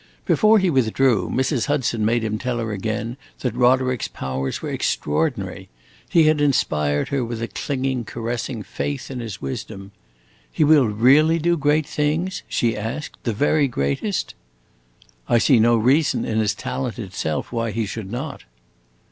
Before he withdrew, Mrs. Hudson made him tell her again that Roderick's powers were extraordinary. He had inspired her with a clinging, caressing faith in his wisdom. "He will really do great things," she asked, "the very greatest?" "I see no reason in his talent itself why he should not."